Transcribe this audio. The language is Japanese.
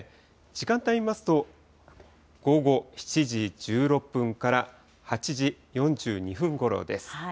時間帯見ますと、午後７時１６分から８時４２分ごろです。